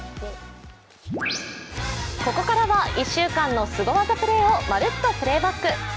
ここからは１週間のすご技プレーを「まるっと！Ｐｌａｙｂａｃｋ」。